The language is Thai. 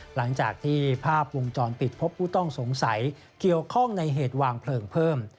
หลังจากที่ภาพวงจรปิดพบผู้ต้องสงสัยเกี่ยวข้องในเหตุวางเพลิงเพิ่ม